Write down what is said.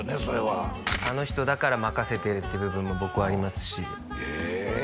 それはあの人だから任せてるって部分も僕はありますしえ